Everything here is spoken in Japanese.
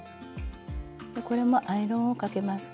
これもアイロンをかけます。